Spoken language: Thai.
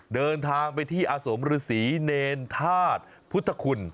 เดินทางไปที่อาสมฤษีเนรธาตุพุทธคุณ